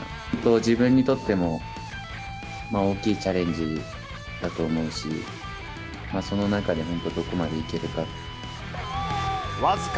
自分にとっても、大きいチャレンジだと思うし、その中で本当、どこまでいけるか。